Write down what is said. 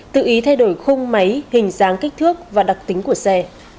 tự ý thay đổi khung máy hình dáng kích thước và đặc tính của xe